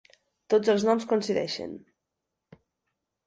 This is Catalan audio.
Tots els noms coincideixen!